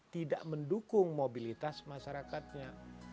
tidak mendukung mobilitas masyarakatnya